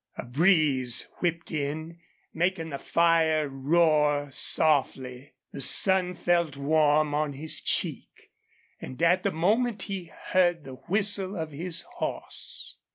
A breeze whipped in, making the fire roar softly. The sun felt warm on his cheek. And at the moment he heard the whistle of his horse.